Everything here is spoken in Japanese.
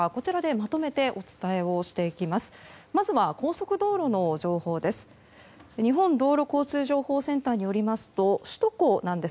まずは高速道路の情報です。